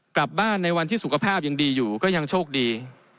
กลับบ้านในวันที่สุขภาพยังดีอยู่ก็ยังโชคดี